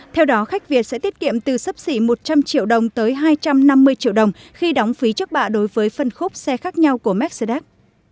theo đó khách việt sẽ tiết kiệm từ sấp xỉ một trăm linh triệu đồng tới hai trăm năm mươi triệu đồng khi đóng phí trước bạ đối với phân khúc xe khác nhau của mercedes